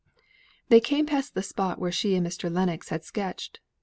They came past the spot where she and Mr. Lennox had sketched.